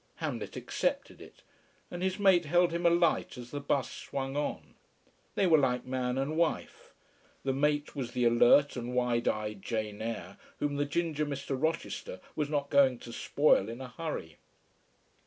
Hamlet accepted it, and his mate held him a light as the bus swung on. They were like man and wife. The mate was the alert and wide eyed Jane Eyre whom the ginger Mr. Rochester was not going to spoil in a hurry.